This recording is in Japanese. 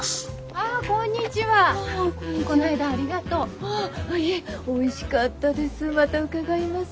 あっいいえおいしかったです。